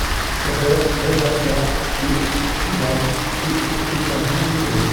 Son père, Jay García, est cubain et est un gynécologue.